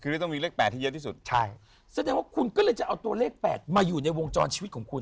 คือนี่ต้องมีเลข๘ที่เยอะที่สุดใช่แสดงว่าคุณก็เลยจะเอาตัวเลข๘มาอยู่ในวงจรชีวิตของคุณ